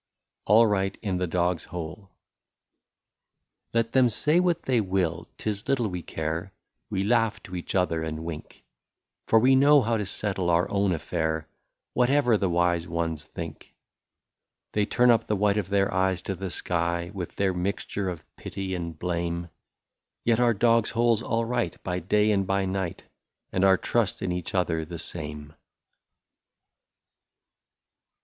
89 ALL RIGHT IN THE DOG'S HOLE. Let them say what they will, 't is little we care, We laugh to each other and wink, For we know how to settle our own affair, Whatever the wise ones think. They turn up the white of their eyes to the sky. With their mixture of pity and blame, Yet our dog's hole 's all right by day and by night, And our trust in each other the same.